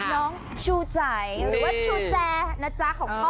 น้องชูใจหรือว่าชูแจนะจ๊ะของพ่อ